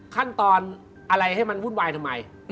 ขั้นตอนอะไรให้มันวุ่นวายทำไม